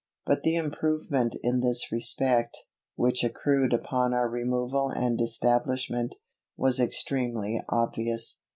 But the improvement in this respect, which accrued upon our removal and establishment, was extremely obvious.